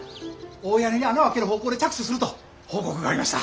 大屋根に穴を開ける方向で着手すると報告がありました。